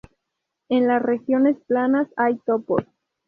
En las regiones planas hay topos.